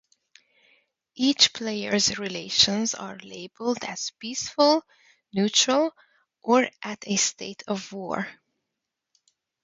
Each player's relations are labelled as peaceful, neutral, or at a state of war.